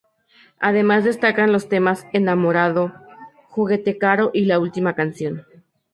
Además destacan los temas: Enamorado, Juguete Caro y La última canción.